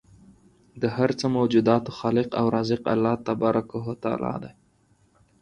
د هر څه موجوداتو خالق او رازق الله تبارک و تعالی دی